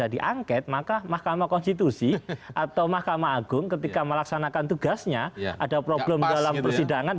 diangket maka mahkamah konstitusi atau mahkamah agung ketika melaksanakan tugasnya ada problem dalam persidangan